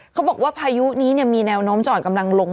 เขาบอกว่าพายุนี้เนี่ยมีแนวน้อมจ่อนกำลังลง